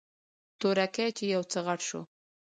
تورکى چې يو څه غټ سو.